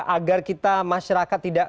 agar kita masyarakat tidak